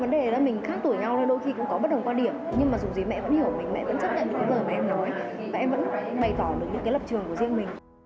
và em vẫn bày tỏ được những cái lập trường của riêng mình